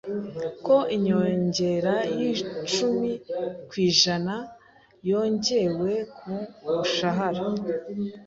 ko inyongera y’icumi kwijana yongewe ku mushahara